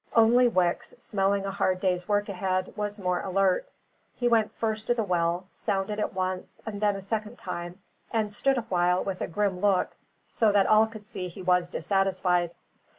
Only Wicks, smelling a hard day's work ahead, was more alert. He went first to the well, sounded it once and then a second time, and stood awhile with a grim look, so that all could see he was dissatisfied.